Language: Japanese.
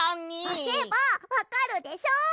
おせばわかるでしょ！